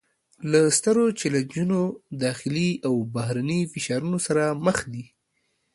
له سترو چلینجونو داخلي او بهرني فشار سره مخ دي